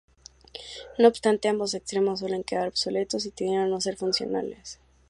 No obstante ambos extremos suelen quedar obsoletos y tienden a no ser funcionales.